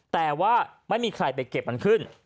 แต่ว่าไม่มีใครไปเก็บมันขึ้น